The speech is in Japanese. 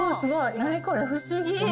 何これ、不思議。